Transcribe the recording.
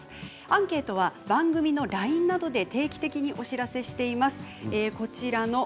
アンケートは番組のＬＩＮＥなどで定期的にお知らせしています。